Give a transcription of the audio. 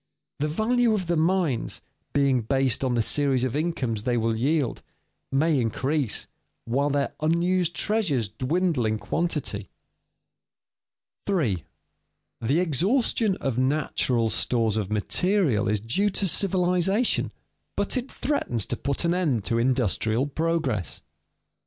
The value of the mines, being based on the series of incomes they will yield, may increase while their unused treasures dwindle in quantity. [Sidenote: Many natural resources are being rapidly exhausted] 3. _The exhaustion of natural stores of material is due to civilization, but it threatens to put an end to industrial progress.